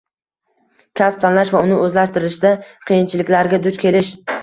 kasb tanlash va uni o‘zlashtirishda qiyinchiliklarga duch kelish